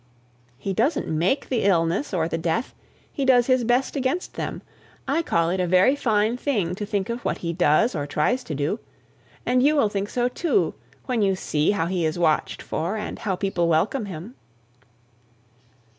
"He doesn't make the illness or the death; he does his best against them. I call it a very fine thing to think of what he does or tries to do. And you will think so, too, when you see how he is watched for, and how people welcome him!"